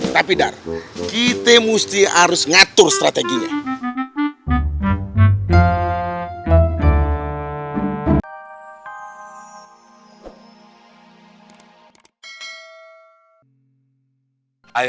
tapi dar kita mesti harus ngatur strateginya